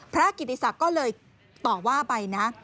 พระกิจสัตว์ก็เลยต่อว่าไปนะ